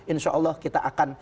insya allah kita akan